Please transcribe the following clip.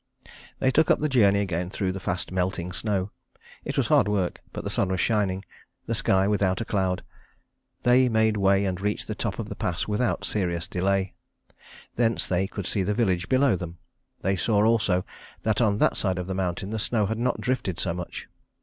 They took up the journey again through the fast melting snow. It was hard work, but the sun was shining, the sky without a cloud; they made way and reached the top of the pass without serious delay. Thence they could see the village below them. They saw also that on that side of the mountain the snow had not drifted so much.